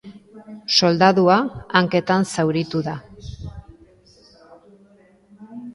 Soldadua hanketan zauritu da.